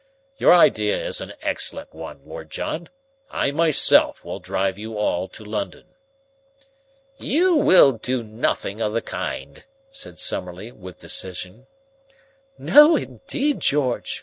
Your idea is an excellent one, Lord John. I myself will drive you all to London." "You will do nothing of the kind," said Summerlee with decision. "No, indeed, George!"